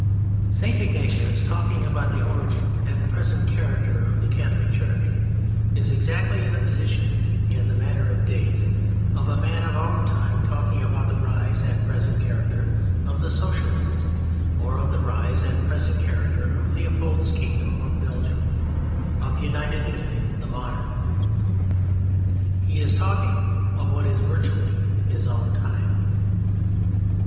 St. Ignatius talking about the origin and present character of the Catholic Church is exactly in the position—in the matter of dates—of a man of our time talking about the rise and present character of the Socialists or of the rise and present character of Leopold's Kingdom of Belgium, of United Italy, the modern. He is talking of what is, virtually, his own time.